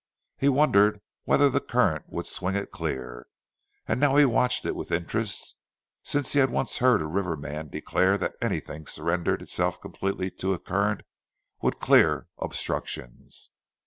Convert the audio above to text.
He wondered whether the current would swing it clear; and now watched it with interest since he had once heard a river man declare that anything that surrendered itself completely to a current would clear obstructions.